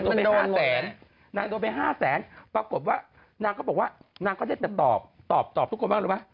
โดนโกงนักโดนไป๕แสนปรากฏว่านักก็บอกว่านักก็ได้แต่ตอบตอบทุกคนบ้างรู้ปะ